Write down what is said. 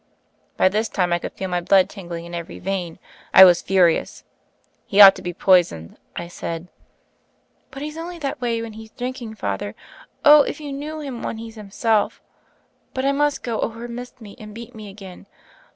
By this time, I could feel my blood tingling in every vein. I was furious. "He ought to be poisoned I" I said. "But he's only that way when he's drinking. Father. Oh, if you knew him when he's him self ! But I must go, or he'll miss me, and beat me again.